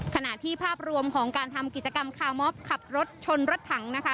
ขณะที่ภาพรวมของการทำกิจกรรมคาร์มอฟขับรถชนรถถังนะคะ